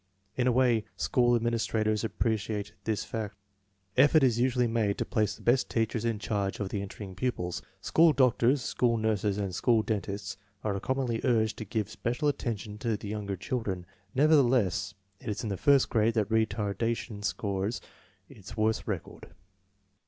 In a way school administrators appreciate this fact. Effort is usually made to place the best teachers in charge of the entering pupils. School doctors, school nurses, and school dentists are commonly urged to give special attention to the younger children. Never theless, it is in the first grade that retardation scores its worst record.